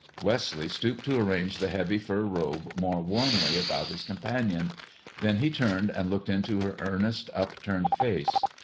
Wesley stooped to arrange the heavy fur robe more warmly about his companion. Then he turned and looked into her earnest, upturned face.